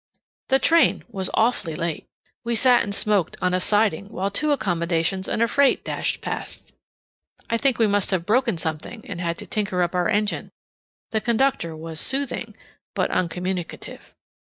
The train was awfully late. We sat and smoked on a siding while two accommodations and a freight dashed past. I think we must have broken something, and had to tinker up our engine. The conductor was soothing, but uncommunicative.